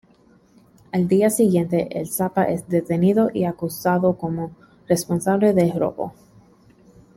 Al día siguiente, el Zapa es detenido y acusado como responsable del robo.